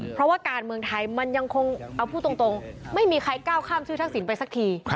เพราะว่าการเมืองไทยมันยังคงเอาพูดตรงไม่มีใครก้าวข้ามชื่อทักษิณไปสักที